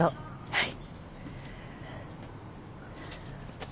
はい。